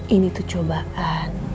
ini tuh cobaan